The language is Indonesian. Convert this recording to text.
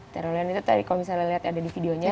tirolean itu tadi kalau misalnya lihat ada di videonya